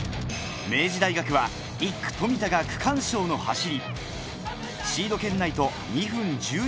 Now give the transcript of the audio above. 明治大学は１区・富田が区間賞の走り。